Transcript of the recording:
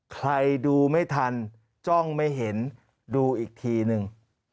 ใครดูไม่ทันจ้องไม่เห็นดูอีกทีนึง